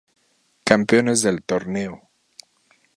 Campeones del torneo.